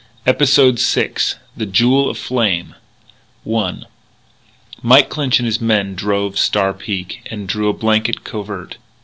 EPISODE SIX THE JEWEL AFLAME I Mike Clinch and his men "drove" Star Peak, and drew a blanket covert.